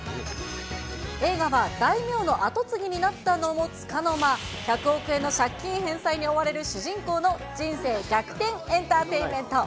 映画は、大名の跡継ぎになったのもつかの間、１００億円の借金返済に追われる主人公の人生逆転エンターテインメント。